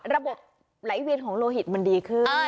ระบบไหลเวียนของโลหิตมันดีขึ้น